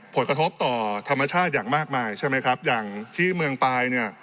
ผลกระทบต่อธรรมชาติอย่างมากมายใช่ไหมครับอย่างที่เมืองปลายเนี่ย